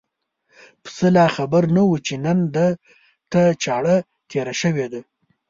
پسه لا خبر نه و چې نن ده ته چاړه تېره شوې ده.